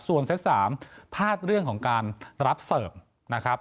ส่วนเซต๓พลาดเรื่องของการรับเสิร์ฟนะครับ